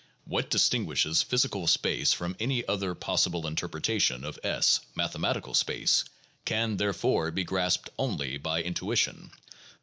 "What distinguishes physi cal space from any other possible interpretation of 8 (mathematical space) can, therefore, be grasped only by intuition.